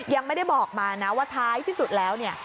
ยังไม่ได้บอกมานะว่าท้ายที่สุดแล้วเนี่ย